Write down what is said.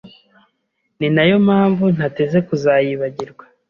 ni nayo mpamvu ntateze kuzayibagirwa